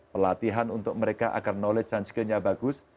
pelatihan untuk mereka agar knowledge dan skillnya bagus